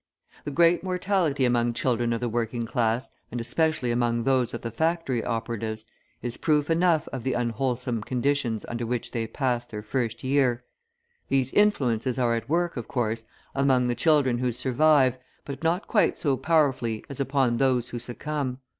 The great mortality among children of the working class, and especially among those of the factory operatives, is proof enough of the unwholesome conditions under which they pass their first year. These influences are at work, of course, among the children who survive, but not quite so powerfully as upon those who succumb.